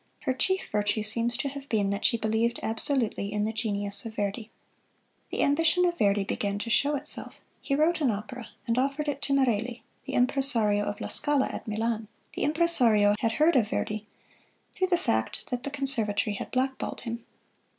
Her chief virtue seems to have been that she believed absolutely in the genius of Verdi. The ambition of Verdi began to show itself. He wrote an opera, and offered it to Merelli, the impresario of "La Scala" at Milan. The impresario had heard of Verdi, through the fact that the Conservatory had blackballed him.